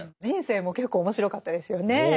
人生も結構面白かったですよね。